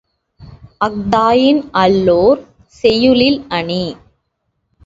அஃதாயின், அல்லோர் செய்யுளில் அணி